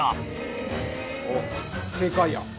おっ正解や。